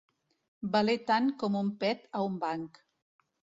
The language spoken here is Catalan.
Valer tant com un pet a un banc.